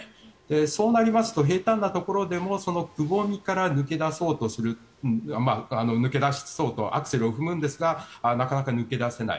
そうなりますと平たんなところでもくぼみから抜け出そうとアクセルを踏むんですがなかなか抜け出せない。